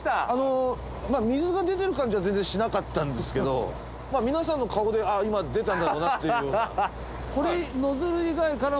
あの水が出てる感じは全然しなかったんですけど皆さんの顔で今出たんだろうなというような。